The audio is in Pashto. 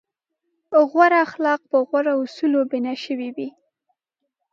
غوره اخلاق په غوره اصولو بنا شوي وي.